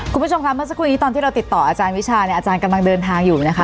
คุณผู้ชมค่ะเมื่อสักครู่นี้ตอนที่เราติดต่ออาจารย์วิชาเนี่ยอาจารย์กำลังเดินทางอยู่นะคะ